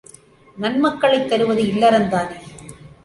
நன்மக்களைத் தருவது இல்லறந்தானே!